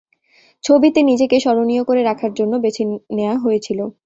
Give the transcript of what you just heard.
ছবিতে নিজেকে স্মরণীয় করে রাখার জন্য বেছে নেয়া হয়েছিল।